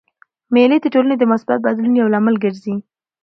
مېلې د ټولني د مثبت بدلون یو لامل ګرځي.